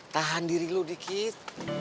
tahan diri lu dikit